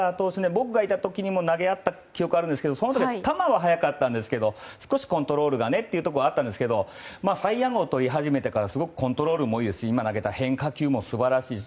僕がいた時にも投げ合った記憶あるんですけどその時、球は速かったんですけど少しコントロールがねというところがあったんですがサイ・ヤングをとり始めてからすごくコントロールもいいですし変化球も素晴らしいし